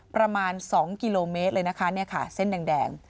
ประมาณ๒กิโลเมตรเลยนะคะเส้นแดง